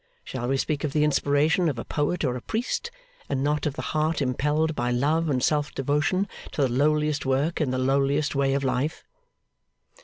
Shall we speak of the inspiration of a poet or a priest, and not of the heart impelled by love and self devotion to the lowliest work in the lowliest way of life!